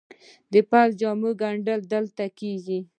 د پوځي جامو ګنډل دلته کیږي؟